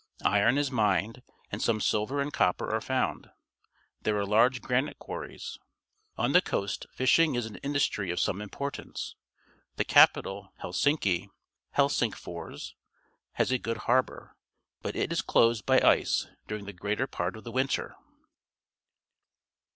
Iron is mined, and some silver and copper are found. There are large granite quarries. On the coast, fish ing is an industry of some importance. Helsinki' (Helsingfors), Finland The capital, Helsinki (Helsingfors) has a good harbour, but it is closed by ice during the greater part of the winter.